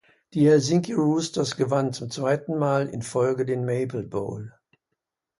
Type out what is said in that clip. Die Helsinki Roosters gewannen zum zweiten Mal in Folge den Maple Bowl.